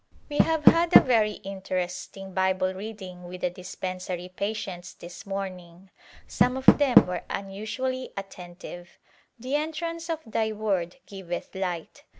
We have had a very interesting Bible reading with the dispen sary patients this morning •, some of them were unusually attentive. " The entrance of Thy Word giveth Light."